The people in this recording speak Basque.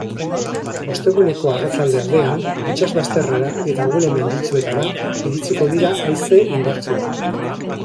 Osteguneko arratsalde aldean itsasbazterrera eta gune menditsuetara iritsiko dira haize indartsuak.